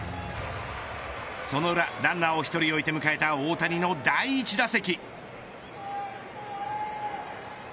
その裏、ランナーを１人置いて迎えた大谷の第１打席。